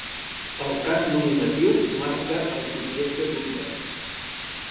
El cas nominatiu marca el subjecte d'un verb.